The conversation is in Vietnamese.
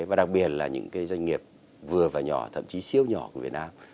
và đặc biệt là những doanh nghiệp vừa và nhỏ thậm chí siêu nhỏ của việt nam